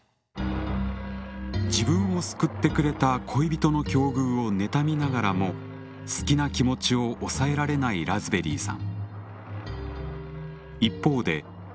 自分を救ってくれた恋人の境遇を妬みながらも好きな気持ちを抑えられないラズベリーさん。